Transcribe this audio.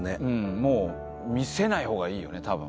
もう、見せないほうがいいよね、たぶん。